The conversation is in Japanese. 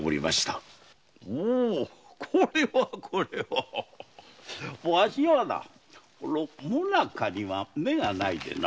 おうこれはこれはわしは最中には目がないでな。